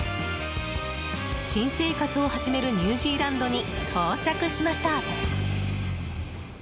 新生活を始めるニュージーランドに到着しました。